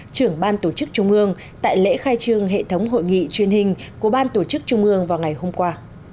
trưởng ban tổ chức trung ương tại lễ khai trương hệ thống hội nghị truyền hình của ban tổ chức trung ương vào ngày hôm qua